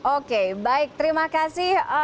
oke baik terima kasih